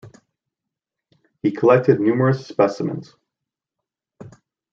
He collected numerous specimens.